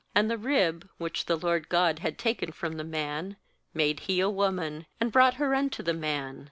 ^And the rib, 'which the LORD God had taken from the man, made He a woman, and brought her unto the man.